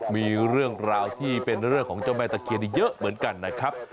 มีเรื่องราวที่เป็นเรื่องของเจ้าแม่ตะเคียนอีกเยอะเหมือนกันนะครับ